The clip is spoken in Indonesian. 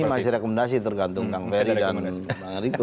ini masih rekomendasi tergantung kang ferry dan bang riko